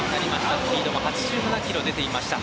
スピードも８７キロ出ていました。